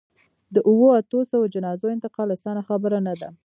د اوو، اتو سووو جنازو انتقال اسانه خبره نه ده.